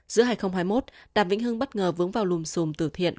giữa hai nghìn hai mươi một đàm vĩnh hưng bất ngờ vướng vào lùm xùm từ thiện